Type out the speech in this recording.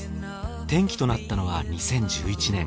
転機となったのは２０１１年。